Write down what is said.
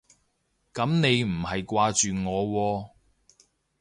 噉你唔係掛住我喎